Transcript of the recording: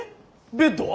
ベッドは？